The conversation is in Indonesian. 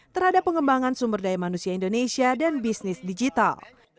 terhadap pengembangan sumber daya manusia indonesia dan bisnis digital